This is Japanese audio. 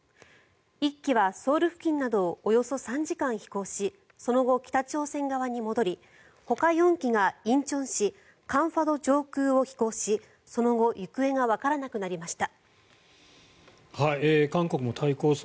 １機はソウル付近などをおよそ３時間飛行しその後、北朝鮮側に戻りほか４機が仁川市・江華島上空を飛行しその後行方がわからなくなりました。